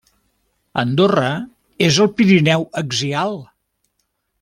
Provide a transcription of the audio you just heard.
Andorra és al Pirineu axial.